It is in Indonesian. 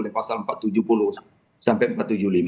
dari pasal empat ratus tujuh puluh sampai empat ratus tujuh puluh lima